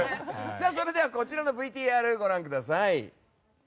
それではこちらのＶＴＲをご覧ください。